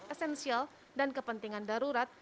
esensial dan kepentingan darurat